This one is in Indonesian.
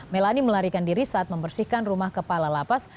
melani melarikan diri saat membersihkan rumah kepala lapas